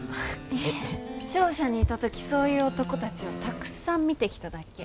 商社にいた時そういう男たちをたくさん見てきただけ。